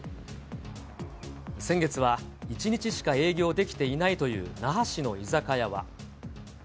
先月は１日しか営業できていないという那覇市の居酒屋は。